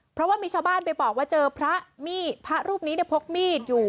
เพราะว่ามีชาวบ้านไปบอกว่าเจอพระรูปนี้เนี่ยพกมีดอยู่